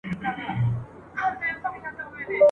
هم تر وروڼو هم خپلوانو سره ګران وه !.